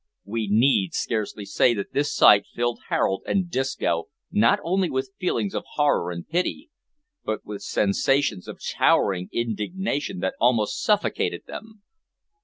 We need scarcely say that this sight filled Harold and Disco not only with feelings of horror and pity, but with sensations of towering indignation that almost suffocated them.